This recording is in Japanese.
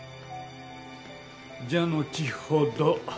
じゃ後ほど。